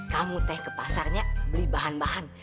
kamu teh ke pasarnya beli bahan bahan